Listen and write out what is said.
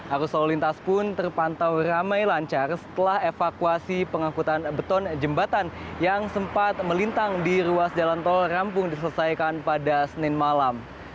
arus lalu lintas pun terpantau ramai lancar setelah evakuasi pengangkutan beton jembatan yang sempat melintang di ruas jalan tol rampung diselesaikan pada senin malam